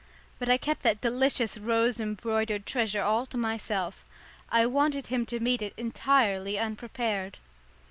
But I kept that delicious rose embroidered treasure all to myself. I wanted him to meet it entirely unprepared.